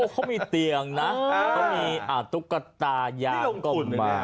เขามีเตียงนะเขามีตุ๊กตายางก็มา